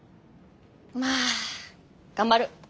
まあ頑張る。